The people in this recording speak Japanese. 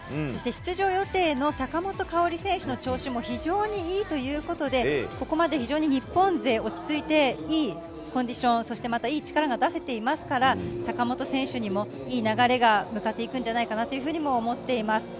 そして出場予定の坂本花織選手の調子も非常にいいということでここまで非常に日本勢落ち着いていいコンディションそしてまたいい力が出せていますから坂本選手にもいい流れが向かっていくんじゃないかとも思っています。